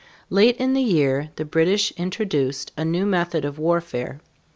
Late in the year the British introduced a new method of warfare.